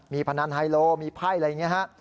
มีพนันไฮโลมีไพ่อะไรอย่างนี้ฮะ